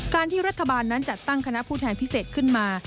ที่รัฐบาลนั้นจัดตั้งคณะผู้แทนพิเศษขึ้นมา